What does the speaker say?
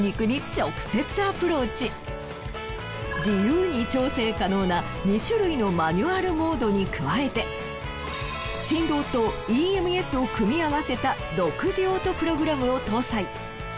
自由に調整可能な２種類のマニュアルモードに加えて振動とＥＭＳを組み合わせた独自オートプログラムを搭載。